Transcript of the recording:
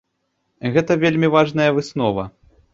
Гэта вельмі важная выснова.